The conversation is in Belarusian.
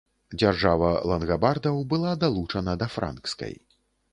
Дзяржава лангабардаў была далучана да франкскай.